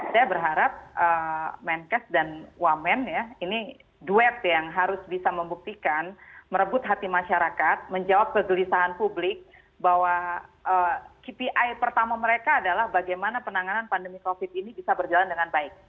saya berharap menkes dan wamen ya ini duet yang harus bisa membuktikan merebut hati masyarakat menjawab kegelisahan publik bahwa kpi pertama mereka adalah bagaimana penanganan pandemi covid ini bisa berjalan dengan baik